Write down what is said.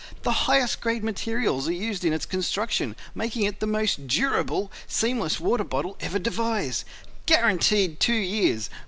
The highest grade materials are used in its construction, making it the most DURABLE seamless water bottle ever devised. Guaranteed two years.